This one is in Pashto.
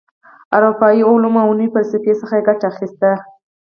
اروپايي علومو او نوي فسلفې څخه یې ګټه اخیستې.